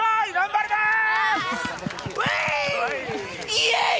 イエーイ。